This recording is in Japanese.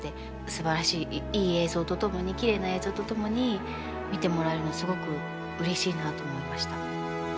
すばらしいいい映像と共にきれいな映像と共に見てもらえるのはすごくうれしいなと思いました。